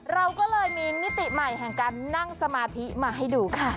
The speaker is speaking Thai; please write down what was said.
เราก็เลยมีมิติใหม่แห่งการนั่งสมาธิมาให้ดูค่ะ